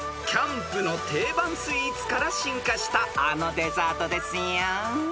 ［キャンプの定番スイーツから進化したあのデザートですよ］